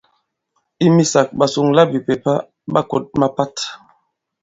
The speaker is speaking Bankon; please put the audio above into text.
I misāk, ɓasuŋlabìpèpa ɓa kǒt mapat.